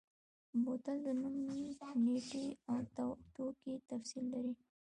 بوتل د نوم، نیټې او توکي تفصیل لري.